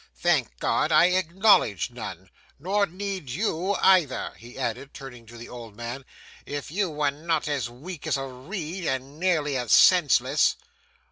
Thank God I acknowledge none! Nor need you either,' he added, turning to the old man, 'if you were not as weak as a reed, and nearly as senseless.